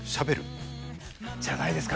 じゃないですか？